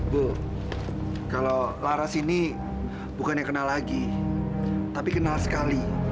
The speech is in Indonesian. bu kalau laras ini bukannya kenal lagi tapi kenal sekali